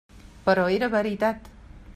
Però era veritat.